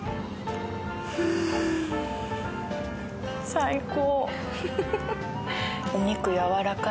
最高。